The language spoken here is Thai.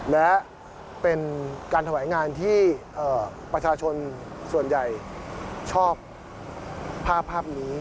และเป็นการถวายงานที่ประชาชนส่วนใหญ่ชอบภาพภาพนี้